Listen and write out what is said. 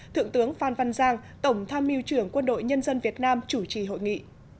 thượng tướng phan văn giang tổng tham mưu trưởng quân đội nhân dân việt nam chủ trì hội nghị